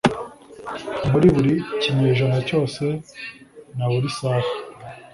Muri buri kinyejana cyose na buri saha,